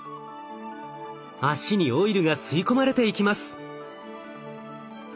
脚にオイルが吸い込まれていきます。